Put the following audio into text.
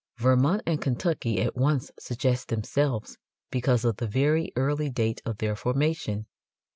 Vermont and Kentucky at once suggest themselves because of the very early date of their formation.